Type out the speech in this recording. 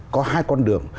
có hai con đường